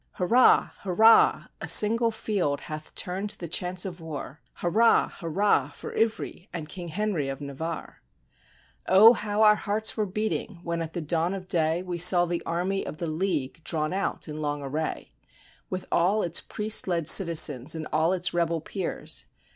Hurrah ! hurrah ! a single field hath turned the chance of war ; Hurrah ! hurrah ! for Ivry and King Henry of Navarre. 237 FRANCE Oh ! how our hearts were beating, when at the dawn of day, We saw the army of the League drawn out in long array; With all its priest led citizens, and all its rebel peers.